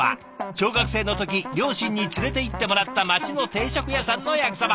小学生の時両親に連れていってもらった街の定食屋さんの焼きそば。